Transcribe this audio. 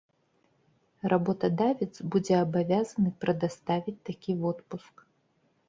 Работадавец будзе абавязаны прадаставіць такі водпуск.